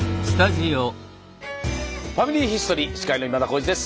「ファミリーヒストリー」司会の今田耕司です。